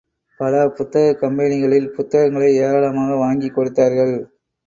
பல புத்தகக் கம்பெனிகளில் புத்தகங்களை ஏராளமாக வாங்கிக் கொடுத்தார்கள்.